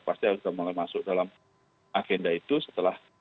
pasti sudah mulai masuk dalam agenda itu setelah